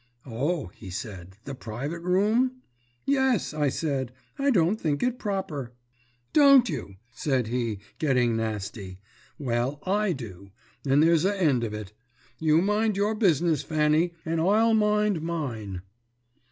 "'O,' said he, 'the private room?' "'Yes,' said I; 'I don't think it proper.' "'Don't you?' said he, getting nasty. 'Well, I do, and there's a end of it. You mind your business, Fanny, and I'll mind mine.'